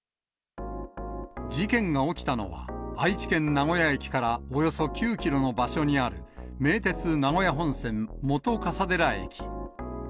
事件が起きたのは、愛知県名古屋駅からおよそ９キロの場所にある、名鉄名古屋本線本笠寺駅。